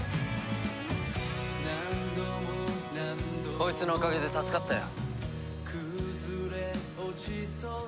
こいつのおかげで助かったよ。